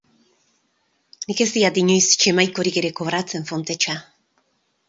Nik ez diat inoiz xemaikorik ere kobratzen, Fontecha.